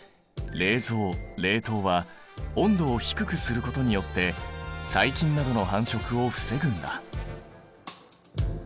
冷蔵・冷凍は温度を低くすることによって細菌などの繁殖を防ぐんだ。